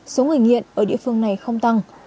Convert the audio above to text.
số người nghiện ở địa phương này không tăng